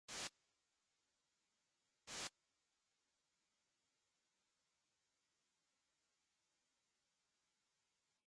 Давайте сами станем проводниками преобразований и давайте сами создадим нужное нам пространство.